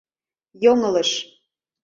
Йоҥылыш...